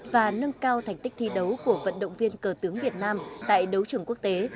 và nâng cao thành tích thi đấu của vận động viên cờ tướng việt nam tại đấu trường quốc tế